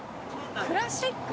クラシック。